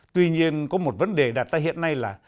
tuy nhiên có một vấn đề là